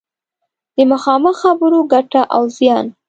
د مخامخ خبرو ګټه او زیان